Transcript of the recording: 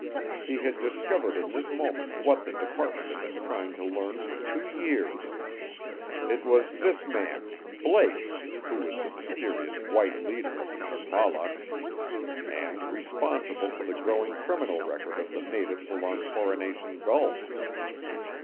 He had discovered in this moment what the Department had been trying to learn for two years. It was this man Blake who was the mysterious white leader of the Kogmollocks, and responsible for the growing criminal record of the natives along Coronation Gulf.